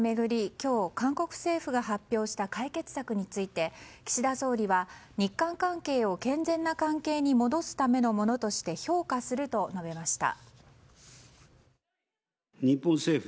今日、韓国政府が発表した解決策について岸田総理は日韓関係を健全な関係に戻すためのものとして評価すると述べました。